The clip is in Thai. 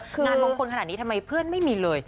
งานมงคลขนาดนี้ทำไมเพื่อนไม่มีเลย